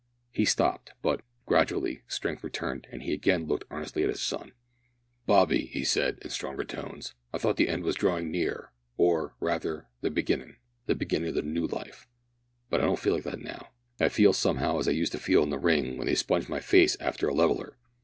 He stopped, but, gradually, strength returned, and he again looked earnestly at his son. "Bobby," he said, in stronger tones, "I thought the end was drawin' near or, rather, the beginnin' the beginnin' o' the New Life. But I don't feel like that now. I feel, some'ow, as I used to feel in the ring when they sponged my face arter a leveller.